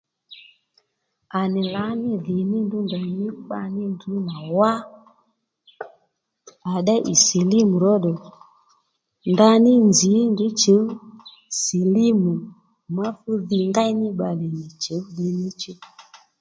À nì lǎní dhì ní ndrǔ ndèymí kpaní ndrǔ nà wá à ddéy ì sìlímù róddù ndaní nzǐ ndrǔ chǔw sìlímù ma fú dhi ngéy ní bbalè nì dhi chǔw ní chú